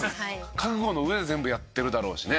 覚悟の上で全部やってるだろうしね。